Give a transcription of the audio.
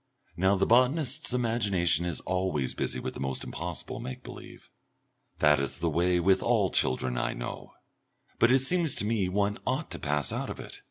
Now the botanist's imagination is always busy with the most impossible make believe. That is the way with all children I know. But it seems to me one ought to pass out of it.